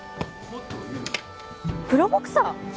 プロボクサー！？